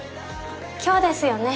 今日ですよね？